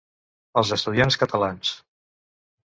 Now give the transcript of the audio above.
Els estudiants catalans s